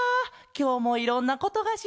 きょうもいろんなことがしれた。